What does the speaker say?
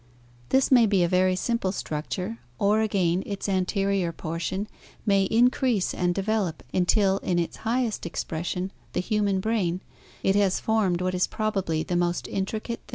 This may be a very simple structure, or again its anterior portion may increase and develop until in its highest expression, the human brain, it has formed what is probably the most intricate thing in nature.